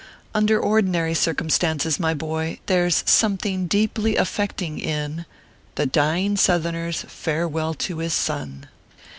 Under ordinary circumstances, my boy, there s something deeply affecting in THE DYING SOUTHERNER S FAREWELL TO HIS SON.